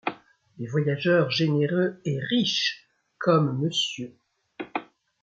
des voyageurs généreux et riches comme monsieur !